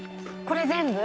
これ全部？